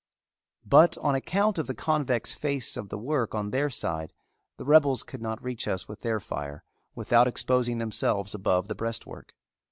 But on account of the convex face of the work on their side the rebels could not reach us with their fire without exposing themselves above the breastwork.